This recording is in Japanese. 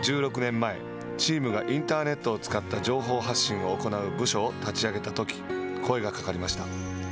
１６年前、チームがインターネットを使った情報発信を行う部署を立ち上げたとき声がかかりました。